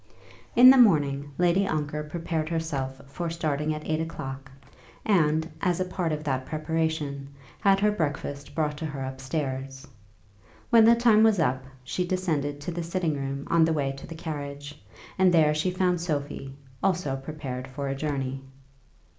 In the morning Lady Ongar prepared herself for starting at eight o'clock, and, as a part of that preparation, had her breakfast brought to her upstairs. When the time was up, she descended to the sitting room on the way to the carriage, and there she found Sophie also prepared for a journey.